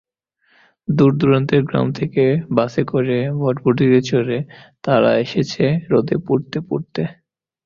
দূর-দূরান্তের গ্রাম থেকে বাসে করে, ভটভটিতে চড়ে তারা এসেছে রোদে পুড়তে পুড়তে।